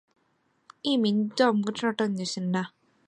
一名过渡委高官表示过渡委并没有下达处死卡扎菲的命令。